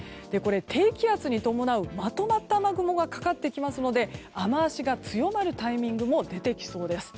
低気圧に伴う、まとまった雨雲がかかってきますので雨脚が強まるタイミングも出てきそうです。